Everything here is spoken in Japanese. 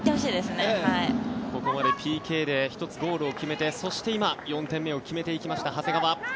ここまでＰＫで１つゴールを決めてそして今、４点目を決めていきました、長谷川。